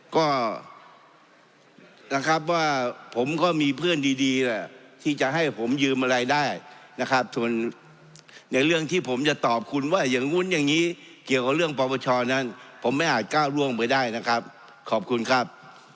ก็นะครับว่าผมก็มีเพื่อนดีดีแหละที่จะให้ผมยืมอะไรได้นะครับส่วนในเรื่องที่ผมจะตอบคุณว่าอย่างนู้นอย่างนี้เกี่ยวกับเรื่องปปชนั้นผมไม่อาจก้าวร่วงไปได้นะครับขอบคุณครับ